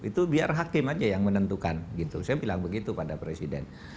itu biar hakim aja yang menentukan gitu saya bilang begitu pada presiden